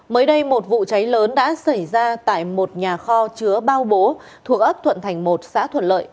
mới đây một vụ cháy lớn đã xảy ra tại một nhà kho chứa bao bố thuộc ấp thuận thành một xã thuận lợi